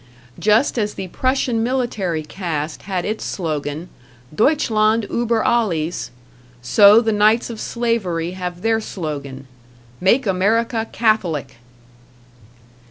Just as the Prussian military caste had its slogan "Deutschland ueber Alles!" so the Knights of Slavery have their slogan: "Make America Catholic!"